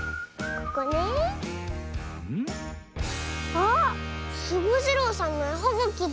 あっスゴジロウさんのえはがきだ。